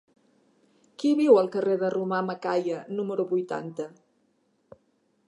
Qui viu al carrer de Romà Macaya número vuitanta?